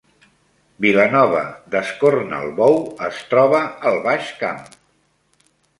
Vilanova d’Escornalbou es troba al Baix Camp